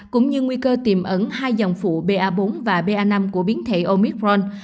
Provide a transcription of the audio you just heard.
cũng như nguy cơ tiềm ẩn hai dòng phụ ba bốn và ba năm của biến thể omicron